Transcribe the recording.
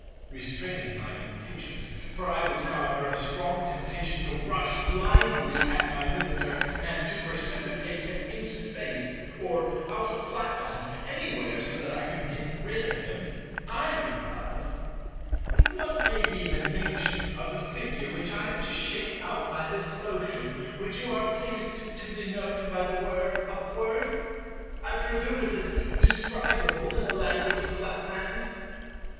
Restraining my impatience—for I was now under a strong temptation to rush blindly at my Visitor and to precipitate him into Space, or out of Flatland, anywhere, so that I could get rid of him—I replied:— "And what may be the nature of the Figure which I am to shape out by this motion which you are pleased to denote by the word 'upward'? I presume it is describable in the language of Flatland."